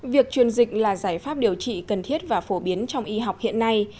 việc truyền dịch là giải pháp điều trị cần thiết và phổ biến trong y học hiện nay